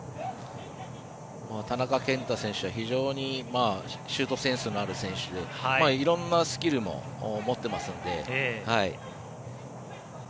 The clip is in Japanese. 田中健太選手は非常にシュートセンスのある選手で色んなスキルも持っていますので。